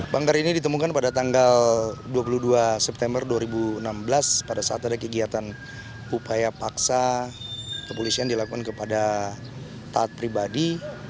banggar ini ditemukan pada tanggal dua puluh dua september dua ribu enam belas pada saat ada kegiatan upaya paksa kepolisian dilakukan kepada taat pribadi